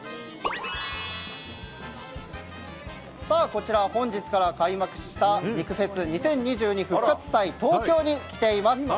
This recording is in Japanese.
こちらは本日から開幕した「肉フェス２０２２復活祭ＴＯＫＹＯ」に来ています。